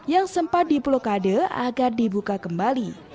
yang sempat diplokade agar dibuka kembali